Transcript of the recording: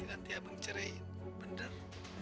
nanti abang ceraiin bener